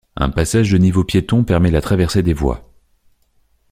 Un passage de niveau piéton permet la traversée des voies.